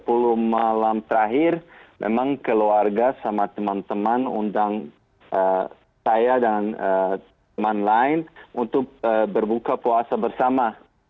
pukul sepuluh malam terakhir memang keluarga sama teman teman undang saya dan teman lain untuk berbuka puasa bersama